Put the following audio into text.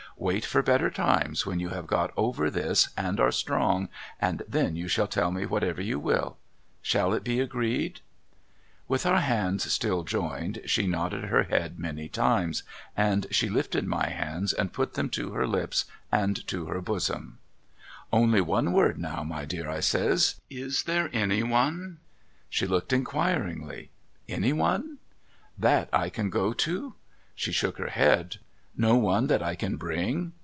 Wait for better times when you have got over this and are strong, and then you shall tell me whatever you will. Shall it be agreed ?' With our hands still joined she nodded her head many times, and she lifted my hands and put them to her lips and to her bosom. 340 MRS. LIRRIPER'S LODGINGS ' Only one word now my dear ' I says, ' Is there any one ?' She looked incjuiringly ' Any one ?'' That I can go to ?' She shook her head. ' No one that I can bring